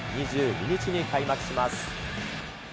２２日に開幕します。